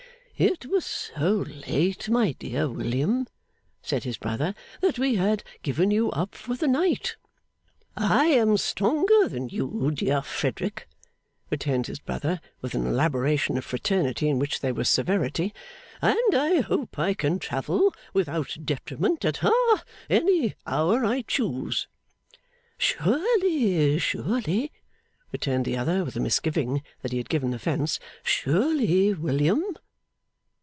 'It was so late, my dear William,' said his brother, 'that we had given you up for to night.' 'I am stronger than you, dear Frederick,' returned his brother with an elaboration of fraternity in which there was severity; 'and I hope I can travel without detriment at ha any hour I choose.' 'Surely, surely,' returned the other, with a misgiving that he had given offence. 'Surely, William.